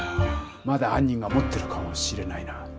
まだはん人が持ってるかもしれないな。